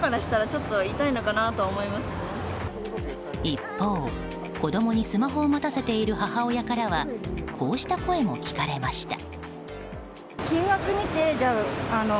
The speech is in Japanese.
一方、子供にスマホを持たせている母親からはこうした声も聞かれました。